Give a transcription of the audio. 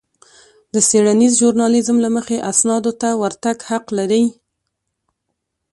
د څېړنيز ژورنالېزم له مخې اسنادو ته د ورتګ حق لرئ.